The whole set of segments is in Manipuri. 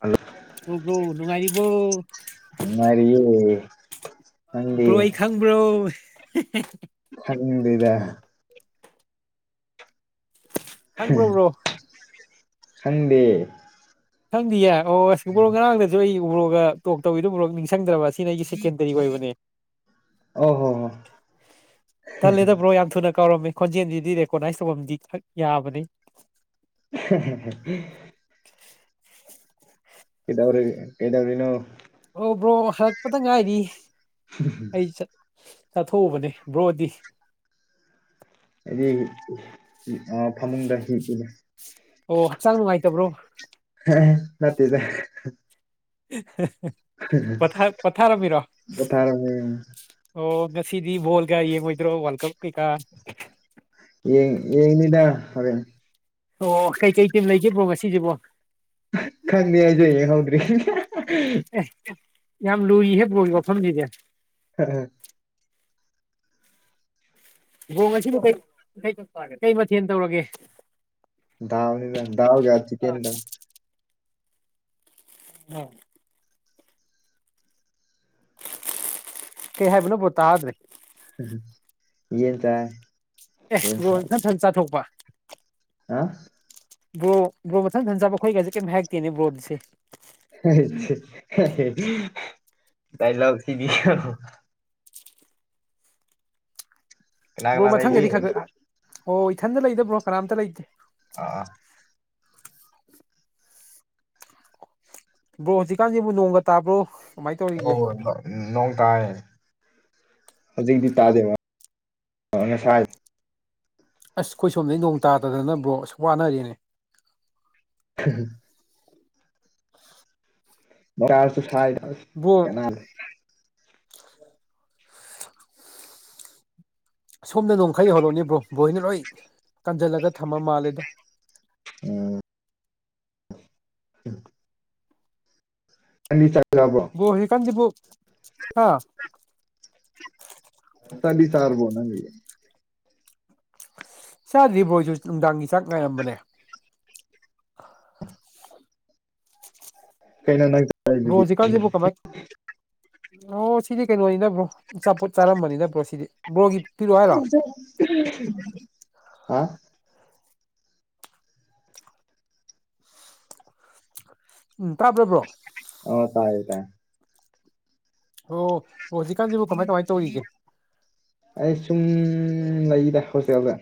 ꯍꯜꯂꯣ ꯑꯣ ꯕ꯭ꯔꯣ ꯅꯨꯡꯉꯥꯏꯔꯤꯕꯣ ꯔꯤꯦ ꯕ꯭ꯔꯣ ꯑꯩ ꯈꯪꯕ꯭ꯔꯣ ꯍꯪꯗꯗ ꯈꯪꯕ꯭ꯔꯣꯕ꯭ꯔꯣ ꯍꯟꯗꯦ ꯁꯪꯗꯤꯌꯦ ꯑꯣ ꯁꯒꯣꯜ ꯉꯔꯥꯡꯗꯁꯨ ꯑꯩ ꯎꯔꯒ ꯇꯣꯛ ꯇꯧꯋꯤꯗꯨꯕꯨꯣꯔꯣꯛ ꯅꯤꯡꯁꯤꯡꯗ꯭ꯔꯕ ꯑꯁꯤꯅ ꯑꯩꯒꯤ ꯁꯦꯀꯦꯟꯗꯔꯤ ꯑꯣꯏꯕꯅꯦ ꯑꯣ ꯍꯣ ꯍꯣ ꯇꯜꯂꯦꯗꯕ꯭ꯔꯣ ꯌꯥꯝ ꯊꯨꯅ ꯀꯧꯔꯝꯃꯤ ꯈꯣꯟꯖꯦꯜꯁꯤꯗꯤ ꯔꯦꯀꯣꯅꯥꯏꯁ ꯇꯧꯐꯝꯗꯤꯛ ꯌꯥꯕꯅꯤ [unintelligible] ꯀꯗꯧꯔꯤ ꯀꯩꯗꯧꯔꯤꯅꯣ ꯑꯣ ꯕ꯭ꯔꯣ ꯍꯜꯂꯛꯄꯗ ꯉꯥꯏꯔꯤ ꯑꯩ ꯆꯠ ꯆꯠꯊꯣꯛꯎꯕꯅꯦ ꯕ꯭ꯔꯣꯗꯤ ꯍꯥꯏꯗꯤ ꯐꯃꯨꯡꯗ ꯍꯤ ꯑꯣꯛꯆꯥꯡ ꯅꯨꯡꯉꯥꯏꯇꯕ꯭ꯔꯣ ꯅꯖ ꯄꯥ ꯄꯊꯥꯔꯝꯕꯤꯔꯣ ꯄꯣꯊꯥꯔꯝꯃꯤꯅꯦ ꯑꯣ ꯉꯁꯤꯗꯤ ꯕꯣꯜ ꯀ ꯌꯦꯡꯉꯣꯏꯗ꯭ꯔꯣ ꯋꯥꯔꯜ ꯀꯞ ꯀꯩꯀꯥ ꯌꯦꯅꯤꯗꯥ ꯍ ꯑꯣ ꯀꯩꯀꯩ ꯇꯤꯝ ꯂꯩꯒꯦꯕꯣ ꯉꯁꯤꯁꯤꯕꯣ ꯈꯪꯉꯦ ꯍꯥꯏꯁꯨ ꯌꯦꯡ ꯍꯧꯧꯗ꯭ꯔꯤ ꯑꯦ ꯌꯥꯝ ꯂꯨꯏ ꯍꯦ ꯂꯨꯒꯤ ꯋꯥꯐꯝꯅꯤꯗꯤ ꯍꯝ ꯕꯣꯡ ꯑꯁꯤꯕꯨ ꯀꯩ ꯃꯊꯦꯜ ꯇꯧꯔꯒꯦ ꯗꯗꯥꯎꯅꯤ ꯗꯗꯥꯎꯒ ꯆꯤ ꯀꯦꯟꯗ ꯎꯣꯏ ꯀꯩ ꯍꯥꯏꯦꯕꯅꯕꯨꯣ ꯇꯗ꯭ꯔꯦ ꯌꯦꯟ ꯇ ꯑꯦ ꯔꯣꯊꯟ ꯁꯟ ꯆꯥꯊꯣꯛꯄ ꯍꯥ ꯕ꯭ꯔꯣ ꯕ꯭ꯔꯣ ꯃꯊꯪꯊꯟꯖꯕ ꯑꯩꯈꯣꯏꯒꯁꯦ ꯀꯩꯝ ꯍꯥꯏꯔꯛꯇꯦꯅꯦ ꯕ꯭ꯔꯣꯗꯁꯦ ꯗꯏꯂꯒ ꯁꯤꯗꯤ ꯀꯩꯅꯣ ꯕ꯭ꯔꯣ ꯀꯅꯥ ꯂꯩꯒꯦ ꯃꯊꯪꯒꯗꯤ ꯈ ꯑꯣ ꯏꯊꯟꯗ ꯂꯩꯗꯕ꯭ꯔꯣ ꯀꯅꯥꯝꯇ ꯂꯩꯇꯦ ꯑꯥ ꯕ꯭ꯔꯣ ꯍꯧꯖꯤꯛꯀꯥꯟꯁꯤꯕꯨꯛ ꯅꯣꯡꯒ ꯇꯥꯕ꯭ꯔꯣ ꯀꯃꯥꯏꯅ ꯇꯧꯔꯤꯒꯦ ꯑꯣ ꯍ ꯍ ꯅꯣꯡ ꯇꯥꯏ ꯍꯧꯖꯤꯛꯇꯤ ꯇꯥꯗꯦꯕ ꯉꯁꯥꯏ ꯑꯁ ꯑꯩꯈꯣꯏ ꯁꯣꯝꯗꯩ ꯅꯣꯡ ꯇꯥꯗꯗꯅꯕ꯭ꯔꯣ ꯑꯁꯨ ꯋꯥꯅꯔꯦꯅꯦ ꯍ ꯃꯣꯔꯁꯨ ꯁꯥꯏ ꯕ꯭ꯔꯣ ꯀꯩꯅ ꯁꯣꯝꯗ ꯅꯣꯡꯈꯩ ꯌꯍꯜꯔꯛꯅꯦ ꯕ꯭ꯔꯣ ꯕ꯭ꯔꯣꯏ ꯍꯅ ꯂꯣꯏ ꯀꯟꯁꯤꯜꯂꯒ ꯊꯝꯃ ꯃꯥꯜꯂꯦꯗ ꯎꯝ [inaudible] [unintelligible] ꯍ‌ꯣ ꯍꯧꯖꯤꯀꯥꯟꯗꯤꯕꯣ ꯍꯥ ꯇꯗꯤ ꯆꯔꯕꯣꯅꯒꯤ ꯆꯥꯗ꯭ꯔꯤꯕꯣꯏꯁꯨ ꯅꯨꯡꯗꯥꯡꯒꯤ ꯆꯥꯛ ꯉꯥꯏꯔꯝꯕꯅꯦ ꯀꯩꯅ ꯔꯣꯖꯤ ꯀꯔꯁꯤꯦꯕꯣ ꯀꯥꯕꯥ ꯑꯣ ꯁꯤꯗꯤ ꯀꯩꯅꯣꯅꯤꯕ꯭ꯔꯣꯆꯥꯄꯣꯠ ꯆꯥꯔꯝꯕꯅꯤꯕ꯭ꯔꯣ ꯁꯤꯗꯤ ꯕ꯭ꯔꯣꯒꯤ ꯄꯤꯔꯛꯑꯣ ꯍꯥꯏꯔꯣ ꯍꯥꯥ ꯎꯝ ꯄꯨ꯭ꯔꯥꯕ꯭ꯔꯥꯕ꯭ꯔꯣ ꯦ ꯑꯣ ꯍꯧꯖꯤꯛꯀꯥꯟꯁꯤꯕꯨ ꯀꯃꯥꯏ ꯀꯃꯥꯏꯅ ꯇꯧꯔꯤꯒꯦ ꯑꯩ ꯁꯨꯝ ꯂꯩꯗ ꯍꯣꯁꯦꯗ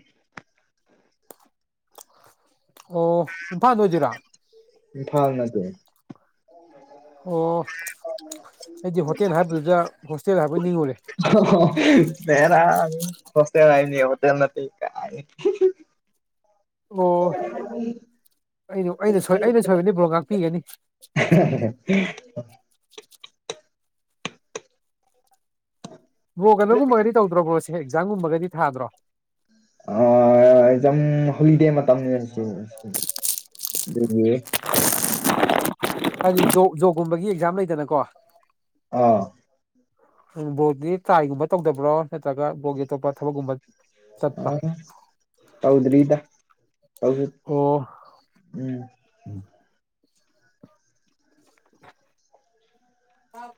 ꯑꯣ ꯏꯝꯐꯥꯜꯗ ꯑꯣꯏꯖꯤꯔꯥ ꯏꯝꯐꯥꯜ ꯅꯗꯤ ꯑꯣ ꯑꯩꯗꯤ ꯍꯣꯇꯦꯜ ꯍꯥꯏꯕꯗꯨꯗ ꯍꯣꯁꯇꯦꯜ ꯍꯥꯏꯕ ꯅꯤꯡꯉꯨꯔꯦ ꯂꯩꯦꯔ ꯍꯣꯁꯇꯦꯜ ꯍꯥꯏꯅꯤ ꯍꯣꯇꯦꯜ ꯅ ꯀꯥꯏ ꯑꯣ ꯑꯩꯅ ꯑꯩꯅ ꯁꯣꯏ ꯑꯩꯅ [unintelligible] ꯁꯣꯏꯕꯅꯤ ꯕ꯭ꯔꯣ ꯉꯥꯛꯄꯤꯒꯅꯤ [inaudible] ꯕ꯭ꯔꯣ ꯀꯩꯅꯣꯒꯨꯝꯕꯒꯗꯤ ꯇꯧꯗ꯭ꯔꯣꯕ꯭ꯔꯣ ꯁꯤꯦ ꯑꯦꯛꯖꯥꯝꯒꯨꯝꯕꯒꯗꯤ ꯊꯥꯗ꯭ꯔꯣ ꯑ ꯑꯦꯖꯝ ꯍꯣꯂꯤꯗꯦ ꯃꯇꯝꯅꯤ ꯍꯧꯁꯨ ꯑꯗꯨ ꯍꯥꯏꯗꯤ ꯖꯣꯕꯀꯨꯝꯕꯒꯤ ꯑꯦꯛꯖꯥꯝ ꯂꯩꯗꯅꯀꯣ ꯑꯥ ꯕꯣꯗꯤ ꯇ꯭ꯔꯥꯏꯒꯨꯝꯕ ꯇꯧꯗꯕ꯭ꯔꯣ ꯅꯠꯇ꯭ꯔꯒ ꯕꯣꯛꯒꯤ ꯑꯇꯣꯞꯄ ꯊꯕꯛꯒꯨꯝꯕ ꯑ ꯇꯧꯗ꯭ꯔꯔꯤꯗ ꯍꯧꯁꯨ ꯑꯣ ꯎꯝ ꯑ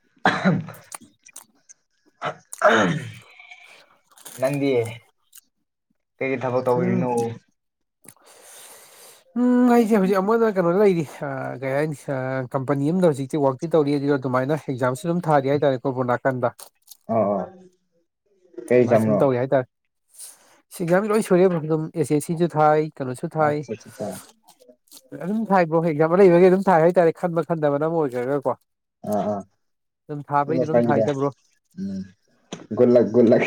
[inaudible] ꯅꯪꯗꯤ ꯀꯩꯀꯩ ꯊꯕꯛ ꯎꯝ ꯇꯧꯕꯔꯤꯅꯣ ꯎꯝ ꯑꯩꯁꯦ ꯍꯧꯖꯤꯛ ꯑꯃꯨꯛꯟꯅ ꯀꯩꯅꯣ ꯂꯩꯔꯤ ꯀꯩ ꯍꯥꯏꯅꯤ ꯀꯝꯄꯅꯤ ꯑꯝꯗ ꯍꯧꯖꯤꯛꯁꯦ ꯋꯥꯛ ꯇꯧꯔꯤ ꯑꯗꯨ ꯑꯗꯨꯃꯥꯏꯅ ꯑꯦꯛꯖꯥꯝꯁꯨ ꯑꯗꯨꯝ ꯊꯥꯔꯤ ꯍꯥꯏꯇꯥꯔꯦ ꯀꯣꯔꯣꯕꯣ ꯅꯥꯀꯟꯗ ꯑꯣ ꯀꯩ ꯑꯗꯨꯃꯥꯏꯅ ꯁꯨꯝ ꯑꯦꯛꯖꯥꯝꯅꯣ ꯇꯧꯋꯦ ꯍꯥꯏꯇꯥꯔꯦ ꯁꯤꯁ ꯌꯥꯝ ꯂꯣꯏ ꯁꯨꯔꯦꯕ ꯑꯗꯨꯝ ꯑꯦꯆꯦ ꯁꯤꯁꯨ ꯊꯥꯏ ꯀꯂꯣꯁꯨ ꯊꯥꯏ ꯑꯠꯆꯥ ꯑꯠꯆꯥ ꯑꯥ ꯑꯗꯨꯝ ꯊꯥꯏꯕ꯭ꯔꯣ ꯑꯦꯛꯖꯥꯝꯄꯜ ꯂꯩꯕꯒꯤ ꯑꯗꯨꯝ ꯊꯥꯏ ꯍꯥꯏꯇꯥꯔꯦ ꯈꯟꯕ ꯈꯟꯗꯕꯅ ꯑꯃ ꯑꯣꯏꯈ꯭ꯔꯒꯀꯣ ꯑ ꯑꯗꯨꯝ ꯑꯝ ꯎ ꯊꯥꯕꯩꯗꯤ ꯑꯗꯨꯝ ꯐꯗ ꯊꯥꯏꯗ ꯕ꯭ꯔꯣ ꯎꯝ ꯨꯜꯂꯛ ꯨꯜꯂꯛ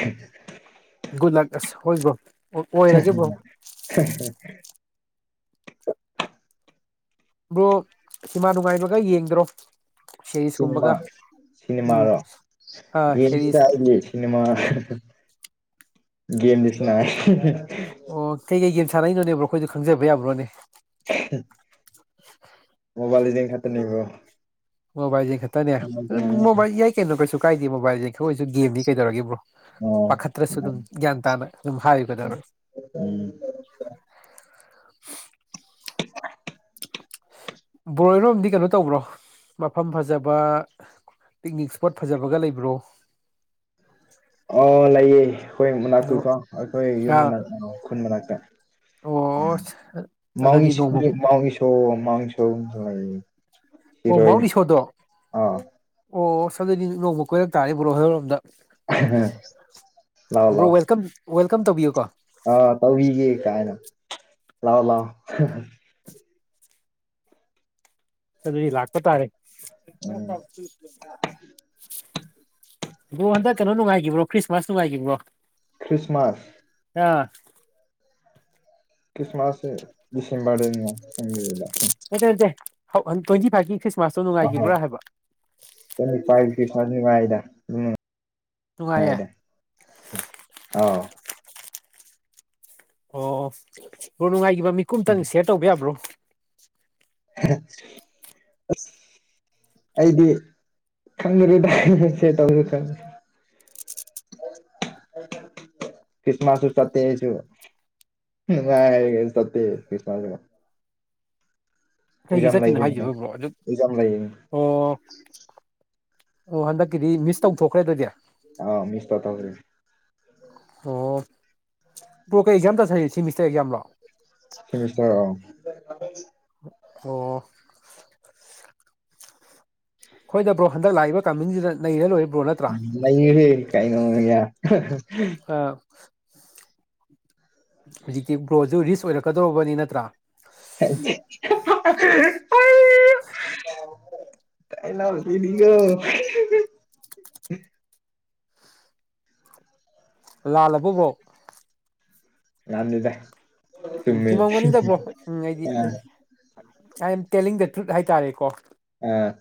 ꯨꯜꯂꯥꯛꯁ ꯍꯒꯣ [unintelligible] ꯑ ꯭ꯔꯣ ꯍꯤꯃꯥ ꯅꯨꯡꯉꯥꯏꯕꯒ ꯌꯦꯡꯗ꯭ꯔꯣ ꯁꯦꯔꯤꯁꯀꯨꯝꯕꯒ ꯁꯤꯅꯦꯃꯥ ꯎꯝ ꯁꯤꯅꯦꯃꯥꯔꯣ ꯑꯥ ꯌꯦ ꯁꯦꯔꯤꯁ ꯁꯤꯅꯦꯃꯥ ꯦꯝ ꯁꯅ ꯑꯣ ꯀꯩꯀꯩ ꯒꯦꯝ ꯁꯥꯟꯅꯛꯏꯅꯣꯅꯦꯕ꯭ꯔꯣ ꯑꯩꯈꯣꯏꯗꯣ ꯈꯪꯖꯕ ꯌꯥꯕ꯭ꯔꯣꯅꯦ ꯑ [unintelligible] ꯃꯣꯕꯥꯏꯜꯗꯤꯤꯡ ꯈꯇꯅꯤꯕꯣ ꯃꯣꯕꯥꯏꯜꯁ ꯈꯛꯇꯅꯦ ꯃꯣꯕꯥꯏꯜ ꯌꯥꯏ ꯀꯩꯅꯣ ꯀꯩꯁꯨ ꯀꯥꯏꯗꯦ ꯃꯣꯕꯥꯏꯜꯁꯦ ꯈ ꯑꯣꯏꯣꯏꯁꯨ ꯒꯦꯝꯗꯤ ꯀꯩꯗꯧꯔꯕ꯭ꯔꯣ ꯑꯣ ꯄꯥꯈꯠꯇ꯭ꯔꯁꯨ ꯎꯝ ꯑꯗꯨꯝ ꯒ꯭ꯌꯥꯟ ꯇꯥꯅ ꯑꯗꯨꯝ ꯍꯥꯏꯌꯨꯒꯗꯕ [unintelligible] [unintelligible] [unintelligible] ꯕꯣꯔꯣꯏꯔꯣꯝꯗꯤ ꯀꯩꯅꯣ ꯇꯧꯕ꯭ꯔꯣ ꯃꯐꯝ ꯐꯖꯕ ꯄꯤꯛꯅꯤꯛ ꯏꯁꯄꯣꯠ ꯐꯖꯕꯒ ꯂꯩꯕ꯭ꯔꯣ ꯑꯣ ꯂꯩꯌꯦ ꯑꯩꯈꯣꯏ ꯀꯩꯅꯣ ꯃꯅꯥꯛꯇꯨꯀꯣ ꯑꯩꯈꯣꯏ ꯌꯨꯝ ꯃꯅꯥꯛ ꯈꯨꯟ ꯃꯅꯥꯛꯇ ꯑꯣ ꯑꯗꯨꯗꯤ ꯅꯣꯡꯃ ꯁꯤꯉꯁꯣꯁꯣ ꯑꯣ ꯃꯥꯎ ꯁꯣꯗꯣ ꯑꯣ ꯁꯗꯗꯤ ꯅꯣꯡꯃ ꯀꯣꯏꯔꯛ ꯇꯥꯔ ꯭ꯔꯣ ꯍꯔꯧꯔꯣꯝꯗ ꯭ꯔꯣ ꯋꯦꯜꯀꯝ ꯋꯦꯜꯀꯝ ꯇꯧꯕꯤꯌꯨꯀꯣ ꯑ ꯇꯧꯕꯤꯒꯦ ꯀꯥꯏꯅ ꯂꯑꯣ ꯂꯑꯣ ꯑꯗꯨꯗꯤ ꯂꯥꯛꯄ ꯇꯥꯔꯦ ꯎꯝ ꯑꯗꯣ ꯍꯟꯗꯛ ꯀꯩꯅꯣ ꯅꯨꯡꯉꯥꯏꯈꯤꯕ꯭ꯔꯣ ꯈ꯭ꯔꯤꯁꯃꯥꯁ ꯅꯨꯡꯉꯥꯏꯒꯤꯈꯤꯕ꯭ꯔꯣ ꯈ꯭ꯔꯤꯁꯃꯥꯁ ꯑꯥ ꯈ꯭ꯔꯤꯁꯃꯥꯁ ꯗꯤꯁꯦꯝꯕꯔꯗ ꯐꯔꯤꯗ ꯑꯗꯗꯦꯒꯤ ꯐꯒꯤ ꯑ ꯐꯥꯏ ꯄ ꯐ ꯋꯥꯥꯏꯗ ꯎꯝ ꯅꯨꯡꯉꯥꯏꯌꯦ ꯍꯥꯏꯗ ꯑꯥꯎ ꯑꯣ ꯑꯣ ꯍꯣ ꯅꯨꯡꯉꯥꯏꯈꯤꯕ ꯃꯤꯀꯨꯞ ꯑꯃꯇꯪ ꯁꯤꯦꯌꯔ ꯇꯧꯕ ꯌꯥꯕ꯭ꯔꯣ ꯑ [unintelligible] ꯑꯩꯗꯤ ꯈꯪꯗ꯭ꯔꯨ ꯇꯥꯏꯁꯦ ꯇꯧꯁꯨ ꯈꯪꯉꯦ ꯈ꯭ꯔꯤꯁꯃꯁꯨꯁꯨ ꯁꯇ ꯍꯥꯏꯁꯨ ꯉ ꯆ ꯀꯔꯤꯁꯃ ꯀꯩꯒꯤ ꯆꯠꯇꯦꯅꯣ ꯍꯥꯏꯖꯕ꯭ꯔꯣ ꯑꯗꯨ ꯑꯦꯛꯖꯥꯝ ꯂꯩꯌꯦ ꯑꯣ ꯑꯣ ꯍꯟꯗꯛꯀꯤꯗꯤ ꯃꯤꯁ ꯇꯧꯊꯣꯛꯈ꯭ꯔꯦ ꯑꯗꯨꯗꯤ ꯑ ꯃꯤꯁ ꯇ ꯇꯔꯦ ꯑꯣ ꯄꯣ ꯀꯩ ꯑꯦꯛꯖꯥꯝ ꯇꯧꯁꯔꯤ ꯁꯤꯦꯃꯤꯁꯇꯔ ꯑꯦꯛꯖꯥꯝ ꯂꯣ ꯁꯤꯃꯤꯁꯇꯔ ꯑ ꯑꯣ ꯍꯣꯏ ꯕ꯭ꯔꯣ ꯍꯟꯗꯛ ꯂꯥꯛꯏꯕ ꯀꯥꯃꯤꯡꯁꯤꯗ ꯅꯔ ꯂꯣꯏꯔꯤꯕ ꯅꯦ ꯀꯥꯏ ꯅ ꯌꯥ ꯑꯥ ꯍꯧꯖꯤꯛꯇꯤ ꯒ꯭ꯔꯣꯁꯨ ꯔꯤꯁ ꯑꯣꯏꯔꯛꯀꯗꯧꯧꯕꯅꯤ ꯅꯠꯇ꯭ꯔꯥ ꯇꯥꯏꯅ ꯑꯣꯜ ꯀꯗꯤꯒꯣ [unintelligible] ꯂꯥꯜꯂꯕꯨꯕ꯭ꯔꯣ ꯌꯥꯝꯅꯤꯗ ꯎꯝ ꯆꯨꯝꯃꯝꯒꯅꯤꯗꯕ꯭ꯔꯣ ꯎꯝ ꯑꯩꯗꯤ ꯑꯥ ꯑ ꯇꯦꯂꯤꯡ ꯗ ꯇ꯭ꯔꯨꯠ ꯍꯥꯏꯇꯥꯔꯦꯀꯣ ꯑ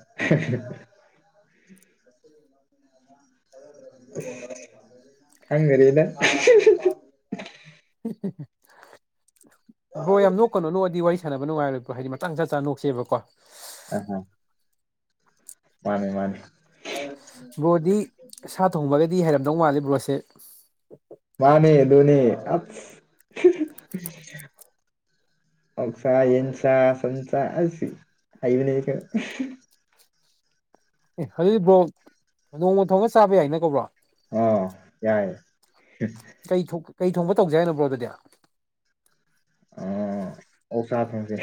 ꯀꯝꯒꯔꯤꯂ ꯍꯦꯍꯦ ꯕ꯭ꯔꯣ ꯌꯥꯝ ꯅꯣꯛꯀꯅꯣ ꯅꯣꯛꯑꯗꯤ ꯋꯥꯔꯤ ꯁꯥꯟꯅꯕ ꯅꯨꯡꯉꯥꯏꯔꯣꯏ ꯍꯥꯏꯗꯤ ꯃꯇꯥꯡ ꯆꯥ ꯆꯥꯅ ꯅꯣꯛꯁꯦꯕꯀꯣ ꯑꯥ ꯍ ꯃꯥꯅꯦ ꯃꯥꯅꯦ ꯕ꯭ꯔꯣꯗꯤ ꯁꯥ ꯊꯣꯡꯕꯒꯗꯤ ꯍꯩꯔꯝꯗꯧ ꯃꯥꯜꯂꯦ ꯕ꯭ꯔꯣꯁꯦ ꯃꯥꯅꯦ ꯗꯣꯅꯦ ꯑꯠꯁ ꯍꯍ ꯑꯣꯛꯁꯥ ꯌꯦꯟꯁꯥ ꯁꯟꯁꯥ ꯑꯁ ꯍꯩꯕꯅꯦ ꯑꯩꯁꯨ ꯑꯦ ꯍꯗꯨꯗꯤ ꯕ꯭ꯔꯣ ꯅꯣꯡꯃ ꯊꯣꯡꯒ ꯆꯥꯕ ꯌꯥꯏꯅ ꯀꯣ ꯕ꯭ꯔꯣ ꯑꯣ ꯌꯥꯏ ꯀꯩ ꯊꯣꯛ ꯊꯣꯡꯕ ꯇꯧꯖꯦ ꯍꯥꯏꯅꯣ ꯕ꯭ꯔꯣ ꯑꯗꯨꯗꯤ ꯑ ꯑꯣꯛꯁꯥ ꯊꯣꯡꯁꯦ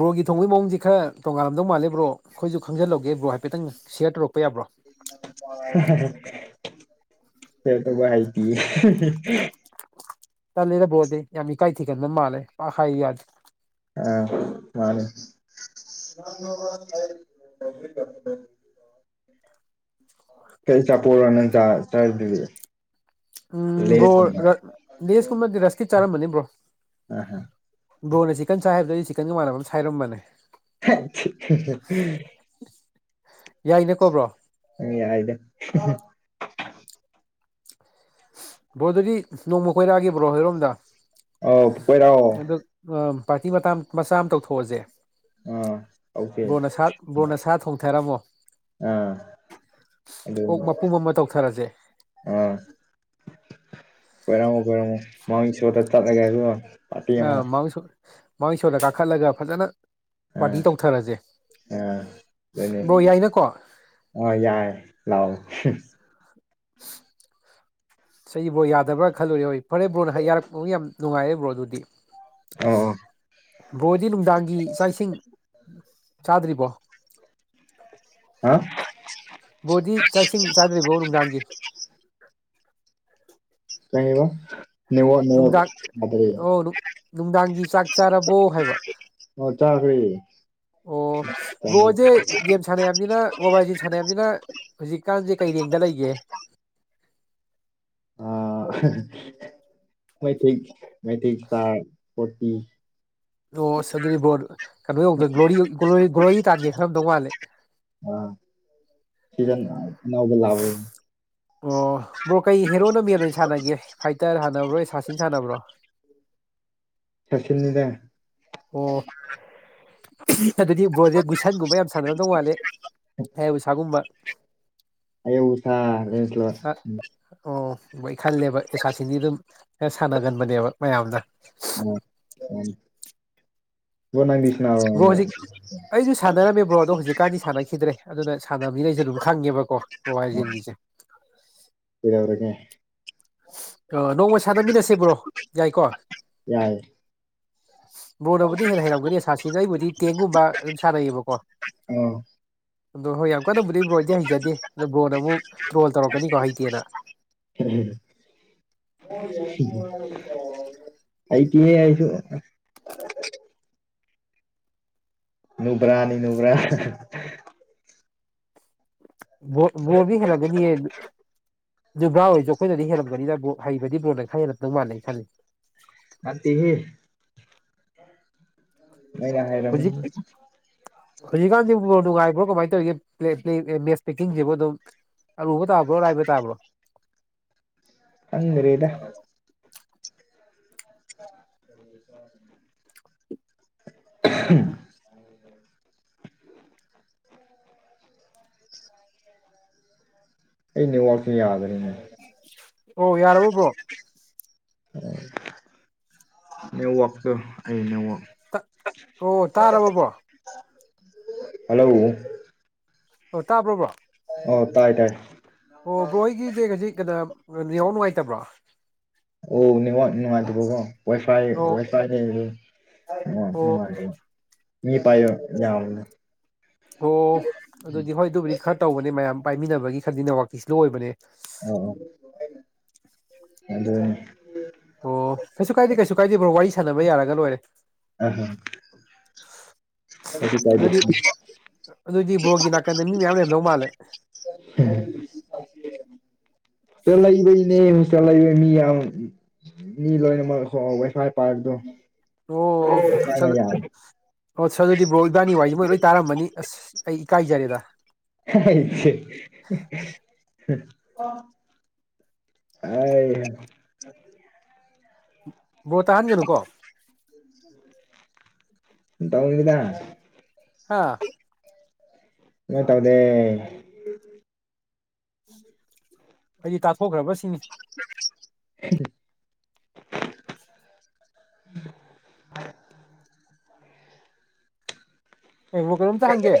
ꯕ꯭ꯔꯣꯒꯤ ꯊꯣꯡꯕꯩ ꯃꯑꯣꯡꯁꯦ ꯈꯔ ꯇꯣꯉꯥꯜꯂꯝꯗꯧ ꯃꯥꯜꯂꯦ ꯕ꯭ꯔꯣ ꯈꯣꯏꯖꯨ ꯈꯪꯖꯜꯍꯧꯒꯦ ꯕ꯭ꯔꯣ ꯍꯥꯏꯐꯦꯠꯇꯪ ꯁꯤꯌꯥꯔ ꯇꯧꯔꯛꯑꯣ ꯍ ꯍ [unintelligible] ꯍꯩꯇꯤꯌꯦ ꯇꯜꯂꯦꯗ ꯕ꯭ꯔꯣꯗꯤ ꯌꯥꯝ ꯏꯀꯥꯏ ꯊꯤꯒꯟꯕ ꯃꯥꯜꯂꯦ ꯄꯥꯛ ꯍꯥꯏ ꯌꯥꯗꯦ ꯑ ꯃꯥꯅꯦ [inaudible] ꯀꯩꯆꯥꯄꯣꯔꯣ ꯅꯪ ꯆꯥ ꯆꯥꯏ [unintelligible] ꯎꯝ ꯕ꯭ꯔꯣ ꯔ ꯂꯦꯁꯀꯨꯝꯕ ꯔꯁꯀꯤꯠ ꯆꯥꯔꯝꯕꯅꯦ ꯕ꯭ꯔꯣ ꯑꯥ ꯍ ꯕ꯭ꯔꯣꯅ ꯆꯤꯛꯀꯟ ꯆꯥꯏ ꯍꯥꯏꯕꯗꯣ ꯑꯩꯁꯨ ꯆꯤꯛꯀꯟꯒ ꯃꯥꯟꯅꯕꯃ ꯁꯥꯏꯔꯝꯕꯅꯦ ꯍꯦ ꯊꯤ ꯍꯍ ꯌꯥꯏꯅꯦ ꯀꯣ ꯕ꯭ꯔꯣ ꯑ ꯌꯥꯏꯗ ꯕ꯭ꯔꯣ ꯑꯗꯨꯗꯤ ꯅꯣꯡꯃ ꯀꯣꯏꯔꯛꯑꯒꯦ ꯕ꯭ꯔꯣ ꯍꯣꯏꯔꯣꯝꯗ ꯑꯧ ꯀꯣꯏꯔꯛꯑꯣ ꯑꯗꯣ ꯑ ꯄꯥꯔꯇꯤ ꯃꯇꯥ ꯃꯆꯥ ꯑꯃ ꯇꯧꯊꯣꯛꯑꯖꯦ ꯑꯥ ꯇꯧꯁꯦ ꯕ꯭ꯔꯣꯅ ꯁꯥ ꯕ꯭ꯔꯣꯅ ꯁꯥ ꯊꯣꯡꯊꯔꯝꯃꯣ ꯑꯥ ꯑꯣꯛ ꯑꯗꯨꯅꯤ ꯃꯄꯨꯝ ꯑꯃ ꯇꯧꯊꯔꯁꯦ ꯑꯣꯏꯔꯝꯃꯣ ꯑꯣꯏꯔꯝꯃꯣ ꯃꯥꯡ ꯁꯣꯗ ꯆꯠꯂꯒꯦ [unintelligible] ꯑ ꯃꯥꯎꯟꯁꯣ ꯃꯥꯎꯟ ꯏꯁꯣꯗ ꯀꯥꯈꯠꯂꯒ ꯐꯖꯅ ꯑꯥ ꯄꯥꯔꯇꯤ ꯇꯧꯊꯔꯁꯦ ꯑꯥ ꯑꯗꯨꯅꯤ ꯕ꯭ꯔꯣ ꯌꯥꯏꯅꯀꯣ ꯑ ꯌꯥꯏ ꯂꯥꯛꯑꯣ [unintelligible] ꯆꯩ [unintelligible] ꯕ꯭ꯔꯣ ꯌꯥꯗꯕ꯭ꯔꯥ ꯈꯜꯂꯨꯔꯦ ꯍꯣꯏ ꯐꯔꯦ ꯕ꯭ꯔꯣꯅ ꯍꯩ ꯌꯥꯔꯛꯄ ꯌꯥꯝ ꯅꯨꯡꯉꯥꯏꯔꯦ ꯕ꯭ꯔꯣ ꯑꯗꯨꯗꯤ ꯑꯣ ꯕ꯭ꯔꯣꯗꯤ ꯅꯨꯡꯗꯥꯡꯒꯤ ꯆꯥꯛ ꯏꯁꯤꯡ ꯆꯥꯗ꯭ꯔꯤꯕꯣ ꯍꯥ ꯕ꯭ꯔꯣꯗꯤ ꯆꯥꯛꯁꯤꯡ ꯆꯥꯗ꯭ꯔꯤꯕꯣꯕ ꯅꯨꯡꯗꯥꯡꯒꯤ ꯀꯩꯑꯕ ꯅꯦꯠꯋꯥꯛ ꯅꯦꯠꯋꯥꯛ ꯅꯨꯡꯗꯥꯡ ꯑꯣ ꯅꯨꯡ ꯅꯨꯡꯗꯥꯡꯒꯤ ꯆꯥꯛ ꯆꯥꯔꯕꯣ ꯍꯥꯏꯕ [unintelligible] ꯑꯣ ꯆꯥꯒ꯭ꯔꯦ ꯑꯣ ꯕ꯭ꯔꯣꯁꯦ ꯒꯦꯝ ꯁꯥꯟꯅꯩ ꯍꯥꯏꯕꯅꯤꯅ ꯃꯣꯕꯥꯏꯜ ꯂꯤꯖꯦꯟ ꯁꯥꯟꯅꯩ ꯍꯥꯏꯃꯤꯅ ꯍꯧꯖꯤꯛꯀꯥꯟꯁꯦ ꯀꯩ ꯑꯦꯡꯗ ꯂꯩꯒꯦ [inaudible] ꯑ ꯃꯩꯊꯩ ꯃꯩꯊꯩ ꯁ꯭ꯇꯥꯔ ꯐꯣꯔꯇꯤ ꯑꯣꯁ ꯑꯗꯨꯗꯤ ꯕ꯭ꯔꯣꯅ ꯀꯅꯣ ꯌꯧꯗ ꯒ꯭ꯂꯣꯔꯤ ꯒ꯭ꯂꯣꯔꯤ ꯇꯥꯟꯒꯦ ꯈꯜꯂꯝꯗꯧ ꯃꯥꯜꯂꯦ ꯑ ꯁꯤꯖꯟ ꯅꯥꯏ ꯑꯣ ꯕ꯭ꯔꯣ ꯀꯩ ꯍꯦꯔꯣꯅ ꯃꯦꯟ ꯑꯣꯏꯅ ꯁꯥꯟꯅꯒꯦ ꯐꯥꯏꯇꯔ ꯍꯥꯟꯅ ꯁꯥꯟꯅꯕ꯭ꯔꯣ ꯑꯦꯁꯥꯁꯤꯟ ꯁꯥꯟꯅꯕ꯭ꯔꯣ ꯁꯁꯤꯅꯤꯗ ꯑꯣ ꯑꯗꯨꯗꯤ ꯕꯣꯁꯦ ꯒꯨꯏꯁꯟꯒꯨꯝꯕ ꯌꯥꯝ ꯁꯥꯟꯅꯔꯝꯗꯧ ꯋꯥꯠꯂꯦ ꯑ ꯎꯁꯥꯒꯨꯝꯕ ꯁꯥꯥ ꯔꯁꯂ ꯑꯣꯏ ꯈꯜꯂꯦꯕ ꯑꯦꯁꯥꯁꯤꯡꯗꯤ ꯑꯗꯨꯝ ꯈꯔ ꯁꯥꯟꯅꯒꯟꯕꯅꯦꯕ ꯃꯌꯥꯝꯅ ꯎꯝ ꯎꯝ ꯕ꯭ꯔꯣ ꯍꯧꯖꯤꯛ ꯑꯩꯁꯨ ꯁꯥꯟꯅꯔꯝꯃꯦ ꯕ꯭ꯔꯣꯗꯣ ꯍꯧꯖꯤꯛ ꯀꯥꯟꯗꯤ ꯁꯥꯟꯅꯈꯤꯗ꯭ꯔꯦ ꯑꯗꯨꯅ ꯁꯥꯟꯅꯕꯅꯤꯅ ꯑꯩꯁꯨ ꯑꯗꯨꯝ ꯈꯪꯉꯦꯕꯀꯣ ꯕꯕꯥꯏꯖꯦꯟꯒꯤꯁꯦ ꯁꯤꯗꯕ꯭ꯔꯒꯦ ꯑ ꯅꯣꯡꯃ ꯁꯥꯟꯅꯃꯤꯟꯅꯁꯦꯕ꯭ꯔꯣ ꯌꯥꯏꯀꯣ ꯌꯥꯏꯌꯦ ꯕꯣꯔꯅꯕꯨꯗꯤ ꯍꯦꯟꯅ ꯍꯩꯔꯝꯒꯅꯤ ꯁꯥꯁꯤꯅ ꯑꯩꯕꯨꯗꯤ ꯇꯦꯡꯒꯨꯝꯕ ꯑꯗꯨꯝ ꯁꯥꯟꯅꯩꯌꯦꯕꯀꯣ ꯑꯣ ꯑꯗꯣ ꯍꯣꯏ ꯌꯥꯝ ꯀꯟꯅꯕꯨꯗꯤ ꯕ꯭ꯔꯣꯟꯗꯤ ꯍꯩꯖꯗꯦ ꯑꯗꯣ ꯕ꯭ꯔꯣꯟꯗ ꯑꯃꯨꯛ ꯇ꯭ꯔꯣꯜ ꯇꯧꯔꯛꯀꯅꯤꯀꯣ ꯍꯩꯇꯦꯅ ꯍ ꯑꯩꯇꯦ ꯍꯥꯏꯁꯨ ꯅꯨꯕ꯭ꯔꯥꯅꯤ ꯅꯕ꯭ꯔꯥ ꯕꯣꯔꯗꯤ ꯍꯦꯂꯒꯅꯤ ꯖꯕ꯭ꯔꯥ ꯑꯣꯏꯁꯨ ꯑꯩꯈꯣꯏꯅꯗꯤ ꯍꯦꯜꯂꯝꯒꯅꯤꯅ ꯍꯩꯕꯗꯤꯕꯣꯜꯗ ꯈꯔ ꯍꯦꯜꯂꯛꯇꯗꯧ ꯃꯥꯟꯅꯦꯅ ꯈꯜꯂꯤ ꯑ ꯇꯤꯍ ꯃ ꯌꯥꯉꯥꯏꯔ ꯍꯧꯖꯤꯛꯀꯥꯟꯁꯤꯕꯨ ꯅꯨꯡꯉꯥꯏꯕ꯭ꯔꯣ ꯀꯃꯥꯏꯅ ꯇꯧꯔꯤꯒꯦ ꯃꯦꯁ ꯄꯦꯛꯀꯤꯡꯁꯤꯕꯨ ꯑꯗꯨꯝ ꯑ ꯎꯕ ꯇꯥꯕ꯭ꯔꯣ ꯂꯏꯕ ꯇꯥꯕ꯭ꯔꯣ [inaudible] ꯈꯪꯗ꯭ꯔꯦꯗ [inaudible] [inaudible] ꯑꯩ ꯅꯤꯡꯅꯤ ꯋꯥꯁꯨ ꯌꯥꯗꯔꯔꯤꯅꯦ ꯑꯣ ꯌꯥꯔꯎꯕ꯭ꯔꯣ ꯅꯦꯠꯋꯥꯛꯇꯣ ꯑꯩ ꯅꯦꯠꯋꯥꯛ ꯑꯣ ꯇꯥꯔꯕꯔꯕ꯭ꯔꯣ ꯍꯜꯂꯣ ꯑꯣ ꯇꯥꯕ꯭ꯔꯣꯕ꯭ꯔꯣ ꯑꯣ ꯇꯥꯏ ꯇꯥꯏ ꯑꯣ ꯕ꯭ꯔꯣ ꯑꯩꯒꯤꯁꯦ ꯈꯖꯤꯛ ꯀꯩꯅꯣ ꯌꯥꯍꯥꯎ ꯅꯨꯡꯉꯥꯏꯇꯕ꯭ꯔꯣ ꯑꯣ ꯅꯦꯠꯋꯥꯛ ꯅꯨꯡꯉꯥꯏꯇꯕꯀꯣ ꯑꯣ ꯋꯥꯏꯐꯥꯏꯗꯩꯗꯤ ꯑꯣ ꯅꯨꯡꯉꯥꯏꯔꯤꯌꯦ ꯃꯤ ꯄꯥꯏꯌ ꯌꯥꯅ ꯑꯣ ꯑꯗꯨꯗꯤ ꯍꯣꯏ ꯑꯗꯨꯕꯨꯗꯤ ꯈꯔ ꯇꯧꯕꯅꯦ ꯃꯌꯥꯝ ꯄꯥꯏꯃꯤꯟꯅꯕꯒꯤ ꯈꯔꯗꯤꯅꯦꯋꯥꯛꯀꯤ ꯏꯁ ꯂꯣ ꯑꯣꯏꯕꯅꯦ ꯑꯣ ꯑꯣ ꯑꯗ ꯑꯣ ꯀꯩꯁꯨ ꯀꯥꯏꯗꯦ ꯀꯩꯁꯨ ꯀꯥꯏꯗꯦ ꯕ꯭ꯔꯣ ꯋꯥꯔꯤ ꯁꯥꯟꯅꯕ ꯌꯥꯔꯒ ꯂꯣꯏꯔꯦ ꯑ ꯀꯩꯁꯨ ꯀꯥꯏꯗꯦ ꯑꯗꯨꯗꯤ ꯍꯣꯁꯇꯦꯜ ꯑꯗꯨꯗꯤ ꯕ꯭ꯔꯣꯒꯤ ꯅꯥꯀꯟꯗ ꯃꯤ ꯃꯌꯥꯝ ꯂꯩꯔꯝꯗꯧ ꯃꯥꯜꯂꯦ [inaudible] ꯆꯠꯂꯕꯩꯅꯦ ꯆꯠꯂꯕ ꯃꯤ ꯌꯥꯝ ꯃꯤ ꯂꯣꯏꯅꯃꯛ ꯋꯥꯏꯐꯥꯏ ꯄꯥꯔꯗꯣꯅ ꯑꯣ ꯌꯥꯔ ꯑꯣ ꯁꯥꯔ ꯑꯗꯨꯗꯤ ꯕ꯭ꯔꯣ ꯏꯕꯥꯅꯤ ꯋꯥꯔꯤꯁꯦ ꯃꯣꯏ ꯂꯣꯏ ꯇꯥꯔꯝꯃꯅꯤ ꯑꯁ ꯑꯩ ꯏꯀꯥꯏꯖꯔꯦꯗ ꯁꯦ ꯑ ꯕꯔꯣ ꯇꯥꯍꯟꯒꯅꯨꯀꯣ ꯇꯃꯤꯗ ꯑꯥ ꯃ ꯇꯗꯦ ꯑꯩꯗꯤ ꯇꯥꯊꯣꯛꯈ꯭ꯔꯕ ꯁꯤꯅꯤ ꯎ ꯎꯝ ꯍꯡꯉ ꯀꯩꯅꯣꯝꯇ ꯍꯪꯒꯦ